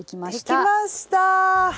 できました！